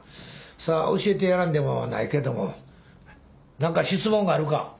それは教えてやらんでもないけども何か質問があるか？